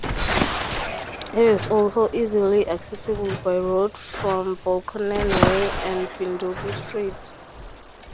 It is also easily accessible by road from Belconnen Way and Bindubi Street.